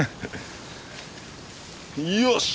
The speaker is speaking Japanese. よし！